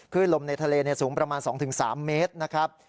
ลมในทะเลสูงประมาณ๒๓เมตรนะครับ